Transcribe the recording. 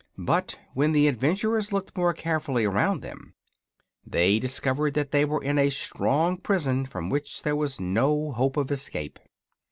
But when the adventurers looked more carefully around them they discovered that they were in a strong prison from which there was no hope of escape.